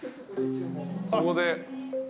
ここで。